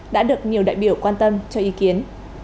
đã được nhiều đại biểu quan tâm cho ý kiến